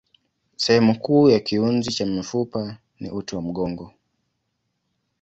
Sehemu kuu ya kiunzi cha mifupa ni uti wa mgongo.